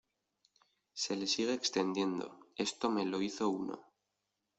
se le sigue extendiendo. esto me lo hizo uno